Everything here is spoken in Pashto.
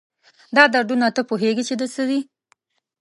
دا دردونه، تۀ پوهېږي چې د څه دي؟